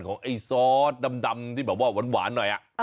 ไอ้ซอสดำที่แบบว่าหวานหน่อย